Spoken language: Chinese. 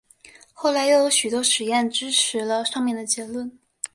后来又有许多实验支持了上面的结论。